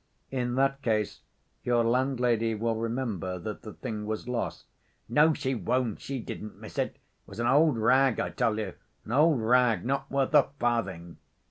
"In that case your landlady will remember that the thing was lost?" "No, she won't, she didn't miss it. It was an old rag, I tell you, an old rag not worth a farthing."